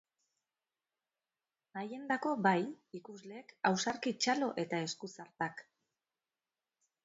Haiendako, bai, ikusleek ausarki txalo eta esku-zartak!